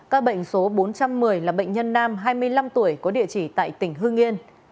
các bệnh số bốn trăm một mươi là bệnh nhân nam hai mươi năm tuổi có địa chỉ tại tỉnh hương yên